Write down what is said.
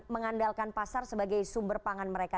mengandalkan pasar sebagai sumber pangan mereka